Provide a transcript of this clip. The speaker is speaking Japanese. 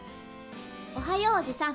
おはようおじさん。